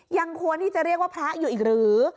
ยังควรที่จะเรียกว่าพระอยู่อีกหรือ